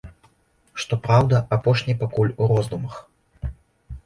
Што праўда, апошні пакуль у роздумах.